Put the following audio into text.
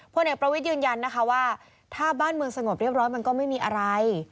เอกประวิทย์ยืนยันนะคะว่าถ้าบ้านเมืองสงบเรียบร้อยมันก็ไม่มีอะไร